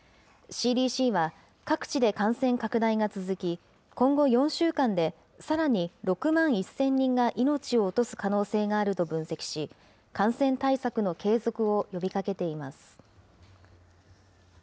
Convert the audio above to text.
ＣＤＣは、各地で感染拡大が続き、今後４週間でさらに６万１０００人が命を落とす可能性があると分析し、感染対策の継続を呼びかけています。